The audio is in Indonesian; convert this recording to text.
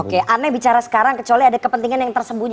oke aneh bicara sekarang kecuali ada kepentingan yang tersembunyi